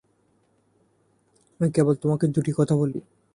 আমি কেবল তোমাকে দুটি কথা বলি।